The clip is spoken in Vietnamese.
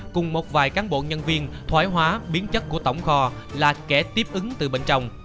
cùng một vài cán bộ nhân viên thoái hóa biến chất của tổng kho là kẻ tiếp ứng từ bên trong